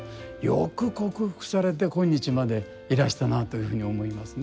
よく克服されて今日までいらしたなというふうに思いますね。